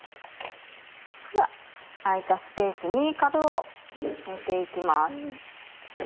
では空いたスペースにかぶを入れて行きます。